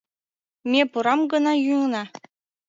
— Ме пурам гына йӱына...